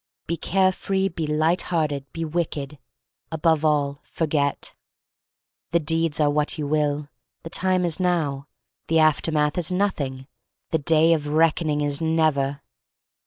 Be carefree, be light hearted, be wicked — above all, forget. The deeds are what you will; the time is now; the aftermath is nothing; the day of reck oning is never.